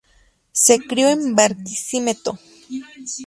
Se crio en Barquisimeto.